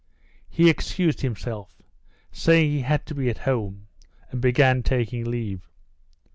He excused himself, saying he had to be at home, and began taking leave.